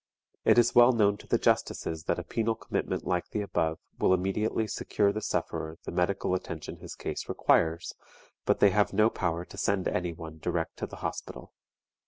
It is well known to the justices that a penal commitment like the above will immediately secure the sufferer the medical attention his case requires, but they have no power to send any one direct to the Hospital.